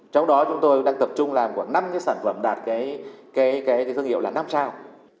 trong đó chúng tôi đang tập trung làm khoảng năm sản phẩm đạt thương hiệu là năm sao